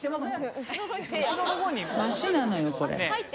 足なのよこれ。